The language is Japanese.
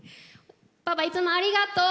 パパ、いつもありがとう！